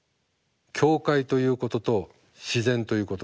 教会ということと自然ということ。